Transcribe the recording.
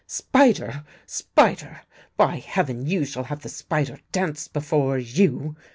" Spider ! Spider ! By Heaven, you shall have the spider dance before you!